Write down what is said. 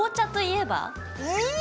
うん。